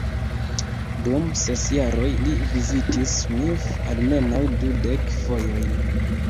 Dum ses jaroj li vizitis Smith almenaŭ dudek fojojn.